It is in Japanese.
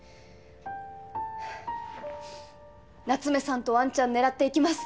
夏目さんとワンチャン狙っていきます。